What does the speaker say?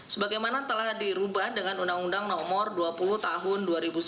sebagaimana telah dirubah dengan undang undang nomor dua puluh tahun dua ribu sembilan